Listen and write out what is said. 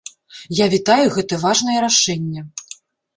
Я вітаю гэта важнае рашэнне.